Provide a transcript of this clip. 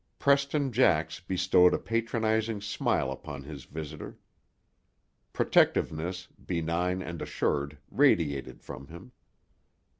Preston Jax bestowed a patronizing smile upon his visitor. Protectiveness, benign and assured, radiated from him.